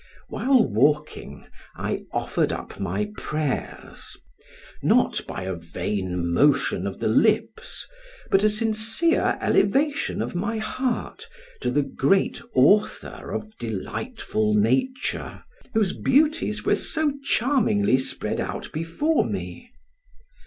While walking, I offered up my prayers, not by a vain motion of the lips, but a sincere elevation of my heart, to the Great Author of delightful nature, whose beauties were so charmingly spread out before me!